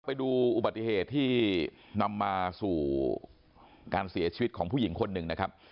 ไปดูอุบัติเหตุที่นำมาสู่การเสียชีวิตของผู้หญิงคนหนึ่งนะครับ